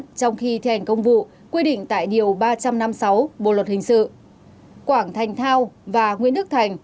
trong khi thi hành công vụ quy định tại điều ba trăm năm mươi sáu bộ luật hình sự quảng thành thao và nguyễn đức thành